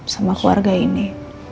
sama keluarga ini